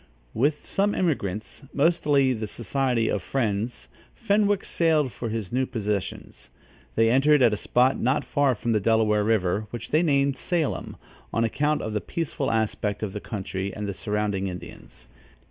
With some emigrants, mostly of the society of Friends, Fenwick sailed for his new possessions. They entered at a spot not far from the Delaware River, which they named Salem, on account of the peaceful aspect of the country and the surrounding Indians.